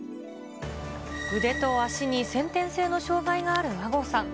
腕と足に先天性の障がいがある和合さん。